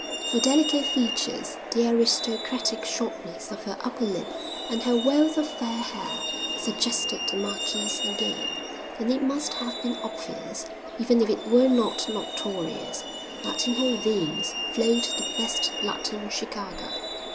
Her delicate features, the aristocratic shortness of her upper lip, and her wealth of fair hair suggested the marquise again, and it must have been obvious, even if it were not notorious, that in her veins flowed the best blood in Chicago.